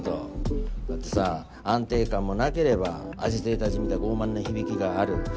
だってさ安定感もなければアジテーターじみた傲慢な響きがある。